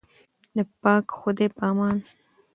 د پاک خدای په امان.